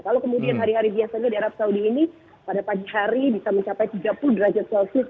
kalau kemudian hari hari biasanya di arab saudi ini pada pagi hari bisa mencapai tiga puluh derajat celcius